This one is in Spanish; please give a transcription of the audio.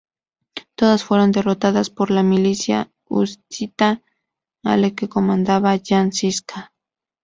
Todas fueron derrotadas por la milicia husita, a la que comandaba Jan Žižka.